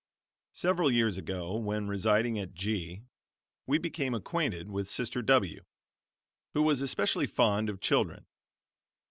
] Several years ago, when residing at G , we became acquainted with Sister W who was especially fond of children.